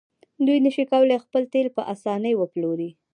دوی نشي کولی خپل تیل په اسانۍ وپلوري.